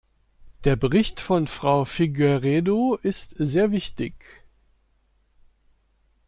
Der Bericht von Frau Figueiredo ist sehr wichtig.